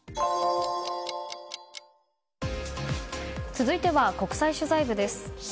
続いては国際取材部です。